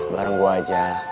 bareng gue aja